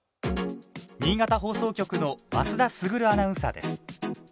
新潟放送局の増田卓アナウンサーです。